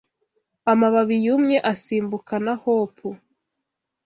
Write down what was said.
Amababi yumye asimbuka na hopu